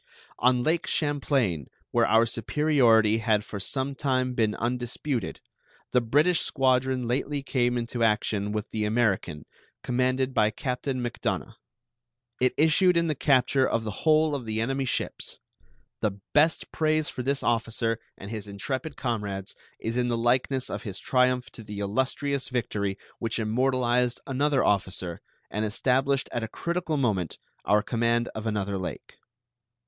On Lake Champlain, where our superiority had for some time been undisputed, the British squadron lately came into action with the American, commanded by Captain Macdonough. It issued in the capture of the whole of the enemy's ships. The best praise for this officer and his intrepid comrades is in the likeness of his triumph to the illustrious victory which immortalized another officer and established at a critical moment our command of another lake.